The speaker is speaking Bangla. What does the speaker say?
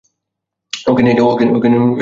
ওকে নিয়ে যাও, নিয়ে যাও ওকে।